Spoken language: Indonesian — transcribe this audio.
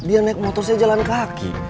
dia naik motor saya jalan kaki